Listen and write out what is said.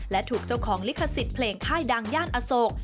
และถูกเจ้าของลิขสิทธิ์เพลงค่ายดังย่านอโศก